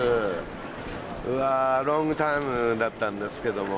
うわロングタイムだったんですけどもええ。